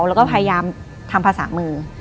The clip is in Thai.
แล้วก็พยายามทำภาษามือ